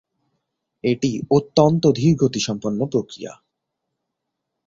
এটি অত্যন্ত ধীরগতিসম্পন্ন প্রক্রিয়া।